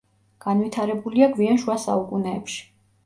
განვითარებულია გვიან შუა საუკუნეებში.